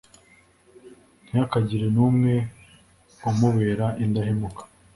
Ntihakagire n’umwe umubera indahemuka